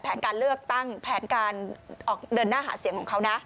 แผนการเลือกตั้งแผนการออกเดินหน้าหาเสียงของเขานะ